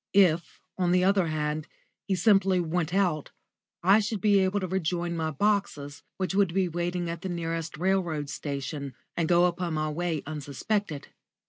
If, on the other hand, he simply went out, I should be able to rejoin my boxes, which would be waiting at the nearest railway station, and go upon my way unsuspected.